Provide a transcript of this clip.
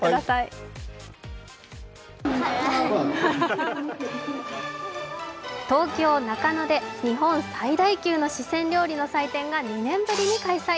週末、東京・中野で日本最大級の四川料理の祭典が２年ぶりに開催。